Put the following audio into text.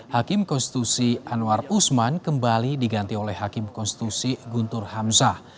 hakim konstitusi anwar usman kembali diganti oleh hakim konstitusi guntur hamzah